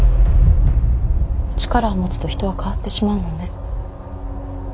力を持つと人は変わってしまうのね。